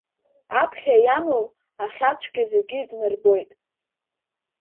Аԥхьа иамоу ахьа-цәа зегьы иднарбоит.